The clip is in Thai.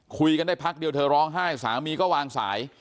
คุยกันได้พักเดียวเธอร้องไห้สามีก็วางสาย